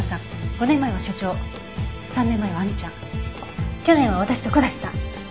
５年前は所長３年前は亜美ちゃん去年は私と木立さん。